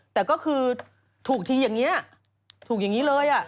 แต่ก็คือถูกทีอย่างนี้ถูกอย่างนี้เลย